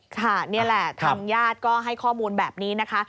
ค่ะนี่แหละทางญาติก็ให้ข้อมูลแบบนี้นะคะ